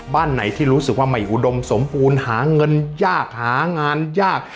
บ้านไหนที่รู้สึกว่าไม่อุดมสมบูรณ์หาเงินยากหางานยาก